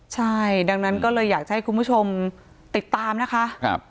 ใช่ดังนั้นก็เลยอยากจะให้คุณผู้ชมติดตามนะคะ